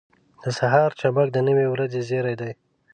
• د سهار چمک د نوې ورځې زیری دی.